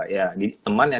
ya teman yang